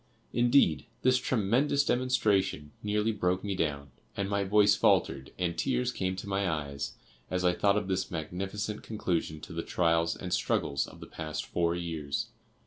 Indeed, this tremendous demonstration nearly broke me down, and my voice faltered and tears came to my eyes as I thought of this magnificent conclusion to the trials and struggles of the past four years.